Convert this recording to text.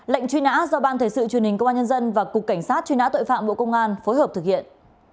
lệnh truy nã do ban thể sự truyền hình công an nhân dân và cục cảnh sát truy nã tội phạm bộ công an phối hợp thực hiện